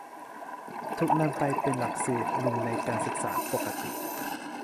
ถูกนำไปเป็นหลักสูตรหนึ่งในการศึกษาปกติ